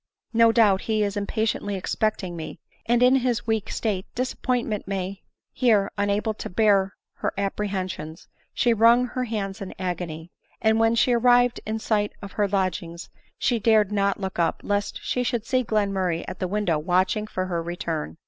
167 • No doubt he is impatiently expecting me ; and, in his weak state, disappointment may " Here, unable to bear her apprehensions, she wrung her hands in agony ; and when she arrived in sight of her lodgings she dared not look up, lest she should see Glenmurray at the win dow watching for her return.